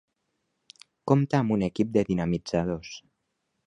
Compta amb un equip de dinamitzadors.